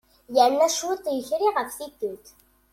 Yerna cwiṭ yekri ɣef tikkelt.